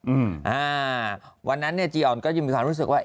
อืมอ่าวันนั้นเนี้ยจีออนก็ยังมีความรู้สึกว่า